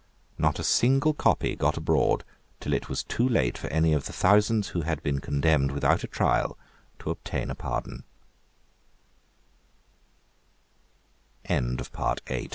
Not a single copy got abroad till it was too late for any of the thousands who had been condemned without a trial to obtain a pardon, Towards the close